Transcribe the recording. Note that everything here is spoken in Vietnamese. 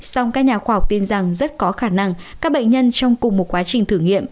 song các nhà khoa học tin rằng rất có khả năng các bệnh nhân trong cùng một quá trình thử nghiệm